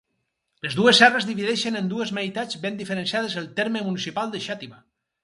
Les dues serres divideixen en dues meitats ben diferenciades el terme municipal de Xàtiva.